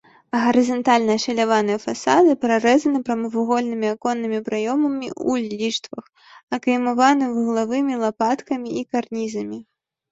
Гарызантальна ашаляваныя фасады прарэзаны прамавугольнымі аконнымі праёмамі ў ліштвах, акаймаваны вуглавымі лапаткамі і карнізамі.